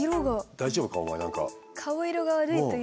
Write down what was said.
大丈夫かお前何か。